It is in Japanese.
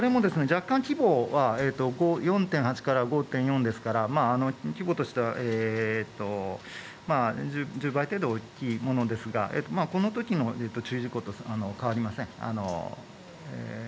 恐らくこれも若干、規模は４．８から５．４ですから規模としては、１０倍程度大きいものですがこのときの注意事項と変わりません。